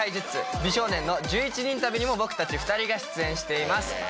美少年の１１人旅にも僕たち２人が出演しています。